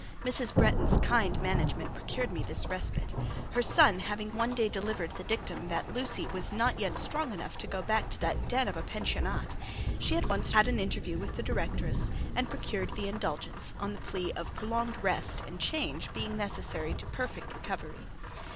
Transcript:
Mrs. Bretton's kind management procured me this respite. Her son having one day delivered the dictum that "Lucy was not yet strong enough to go back to that den of a pensionnat," she at once drove over to the Rue Fossette, had an interview with the directress, and procured the indulgence, on the plea of prolonged rest and change being necessary to perfect recovery.